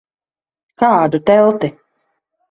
Kādu telti?